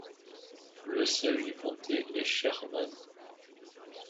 Le siège du comté est Sherman.